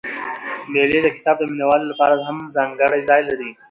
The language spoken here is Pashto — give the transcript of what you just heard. مېلې د کتاب د مینه والو له پاره هم ځانګړى ځای لري.